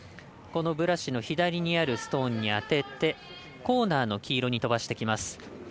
このブラシの左にあるストーンに当ててコーナーの黄色に飛ばしてきます。